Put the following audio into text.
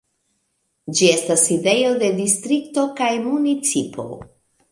Ĝi estas sidejo de distrikto kaj municipo.